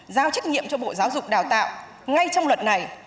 giao trách nhiệm cho bộ giáo dục đào tạo ngay trong luật này